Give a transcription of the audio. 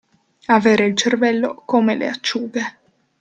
Avere il cervello come le acciughe.